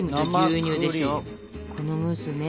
このムースね